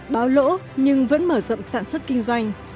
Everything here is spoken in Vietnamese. báo lỗ nhưng vẫn mở rộng sản xuất kinh doanh